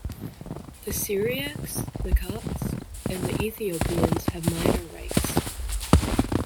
The Syriacs, the Copts, and the Ethiopians have minor rights.